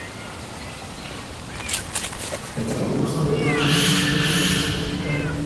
Este concurso no llegó a concluirse por la Revolución Mexicana.